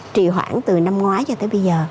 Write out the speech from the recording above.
trì hoãn từ năm ngoái cho tới bây giờ